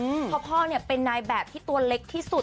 เพราะพ่อเนี่ยเป็นนายแบบที่ตัวเล็กที่สุด